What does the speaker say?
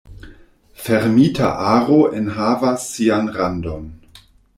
Fermita aro enhavas sian randon.